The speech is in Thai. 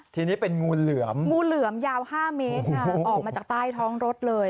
ทีนี้เป็นงูเหลืำยาว๕เมตรออกมาจากใต้ท้องรถเลย